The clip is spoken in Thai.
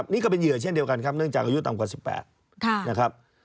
นี่ก็เป็นเหยื่อเช่นเดียวกันครับเนื่องจากอายุต่ำกว่า๑๘นะครับ